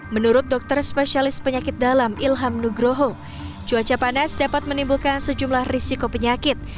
menurut dokter spesialis penyakit dalam ilham nugroho cuaca panas dapat menimbulkan sejumlah risiko penyakit